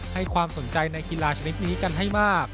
ให้ความสนใจในกีฬาชนิดนี้กันให้มาก